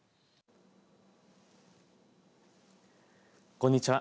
こんにちは。